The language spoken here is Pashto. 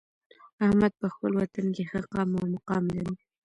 احمد په خپل وطن کې ښه قام او مقام لري.